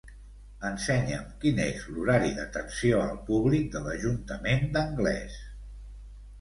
Ensenya'm quin és l'horari d'atenció al públic de l'Ajuntament d'Anglès.